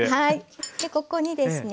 ここにですね